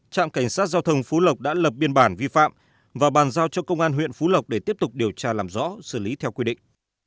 trạm cảnh sát giao thông phú lộc đã lập biên bản vi phạm và bàn giao cho công an huyện phú lộc để tiếp tục điều tra làm rõ xử lý theo quy định